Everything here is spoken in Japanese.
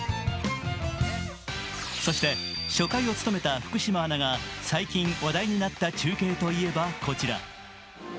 そして、初回を務めた福島アナが最近、話題になった中継といえばこちら。